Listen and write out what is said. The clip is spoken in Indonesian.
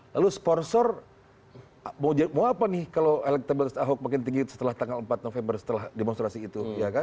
lalu sponsor mau apa nih kalau elektabilitas ahok makin tinggi setelah tanggal empat november setelah demonstrasi itu